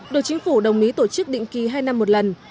được chính phủ đồng ý tổ chức định kỳ hai năm một lần